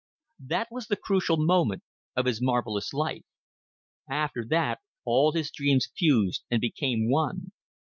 That was the crucial moment of his marvelous life. After that all his dreams fused and became one.